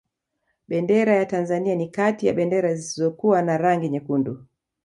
bendera ya tanzania ni kati ya bendera zisizokuwa na rangi nyekundu